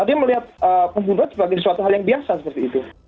dia melihat pembunuhan sebagai suatu hal yang biasa seperti itu